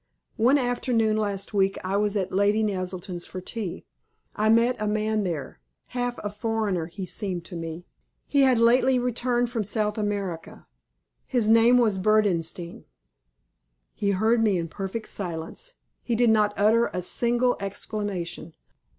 One afternoon last week I was at Lady Naselton's for tea. I met a man there half a foreigner he seemed to me. He had lately returned from South America. His name was Berdenstein." He heard me in perfect silence. He did not utter a single exclamation.